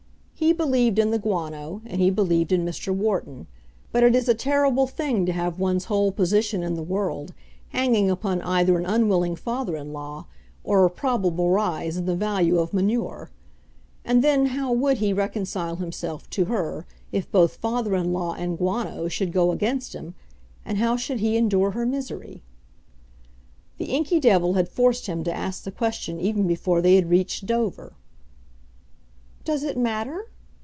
He believed in the guano and he believed in Mr. Wharton, but it is a terrible thing to have one's whole position in the world hanging upon either an unwilling father in law or a probable rise in the value of manure! And then how would he reconcile himself to her if both father in law and guano should go against him, and how should he endure her misery? The inky devil had forced him to ask the question even before they had reached Dover. "Does it matter?"